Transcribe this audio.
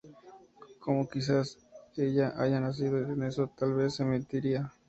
Como quizás ella haya nacido con eso, tal vez sea mentira.